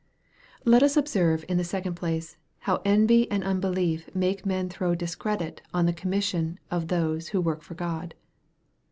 Let us observe, in the second place, how envy and unbe lief make men throw discredit on the commission of those who work for God.